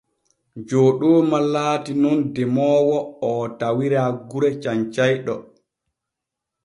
Jooɗooma laati nun demoowo oo tawira gure Cancayɗo.